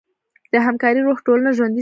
د همکارۍ روح ټولنه ژوندۍ ساتي.